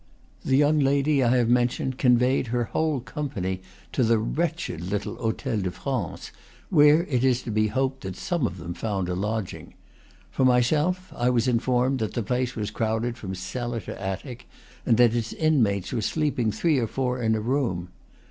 The young lady I have mentioned conveyed her whole company to the wretched little Hotel de France, where it is to be hoped that some of them found a lodging. For myself, I was informed that the place was crowded from cellar to attic, and that its inmates were sleeping three or four in a room.